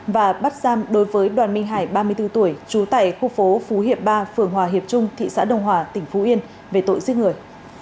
và bắt giam đối với đoàn minh hải ba mươi bốn tuổi trú tại khu phố phú hiệp ba phường hòa hiệp trung thị xã đông hòa tỉnh phú yên về tội giết người